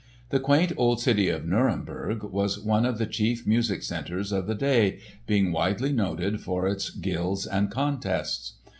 The quaint old city of Nuremberg was one of the chief music centres of the day, being widely noted for its guilds and contests.